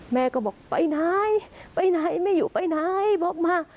แม่ก็บอกไปไหนไปไหนแม่อยู่ไปไหนบอกมา